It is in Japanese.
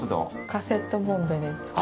カセットボンベでつく。